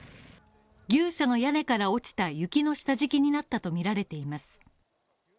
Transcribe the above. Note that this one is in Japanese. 牛舎の屋根から落ちた雪の下敷きになったとみられています。